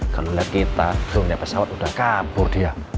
kalau lihat kita belum punya pesawat udah kabur dia